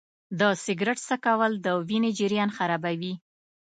د سګرټ څکول د وینې جریان خرابوي.